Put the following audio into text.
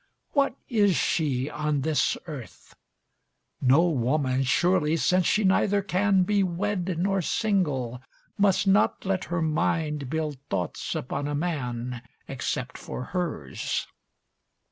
What is she on this Earth? No woman surely, since she neither can Be wed nor single, must not let her mind Build thoughts upon a man Except for hers.